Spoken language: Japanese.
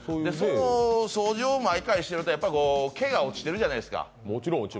掃除を毎回してると毛が落ちてるじゃないですか。